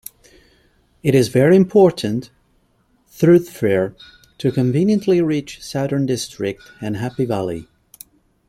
It is a very important thoroughfare to conveniently reach Southern District and Happy Valley.